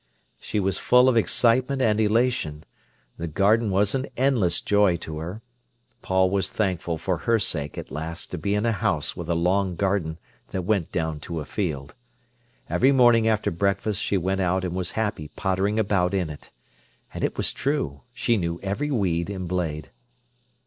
She was full of excitement and elation. The garden was an endless joy to her. Paul was thankful for her sake at last to be in a house with a long garden that went down to a field. Every morning after breakfast she went out and was happy pottering about in it. And it was true, she knew every weed and blade.